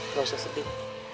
tidak usah sedih